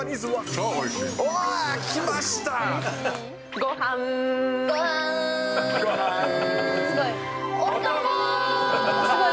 超おいしい。